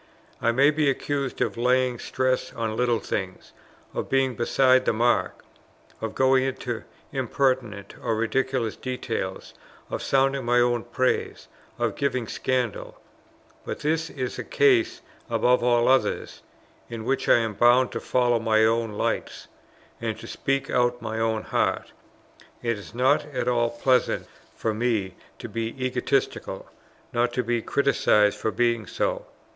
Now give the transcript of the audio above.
I may be accused of laying stress on little things, of being beside the mark, of going into impertinent or ridiculous details, of sounding my own praise, of giving scandal; but this is a case above all others, in which I am bound to follow my own lights and to speak out my own heart. It is not at all pleasant for me to be egotistical; nor to be criticized for being so.